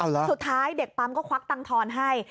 สุดท้ายเด็กปั๊มก็ควักตังทอนให้